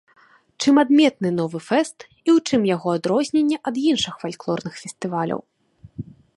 Чым адметны новы фэст і ў чым яго адрозненне ад іншых фальклорных фестываляў?